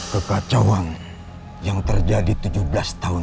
kekacauan yang terjadi tujuh belas tahun